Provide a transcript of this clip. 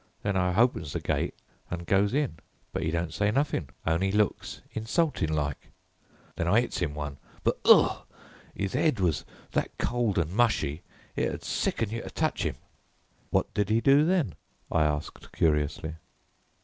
Then I hopens the gate an' goes in, but 'e don't say nothin', only looks insultin' like. Then I 'its 'im one, but, ugh! 'is 'ed was that cold and mushy it ud sicken you to touch 'im." "What did he do then?" I asked curiously.